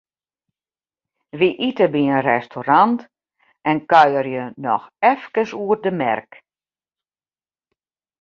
Wy ite by in restaurant en kuierje noch efkes oer de merk.